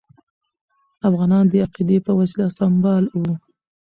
افغانان د عقیدې په وسله سمبال وو.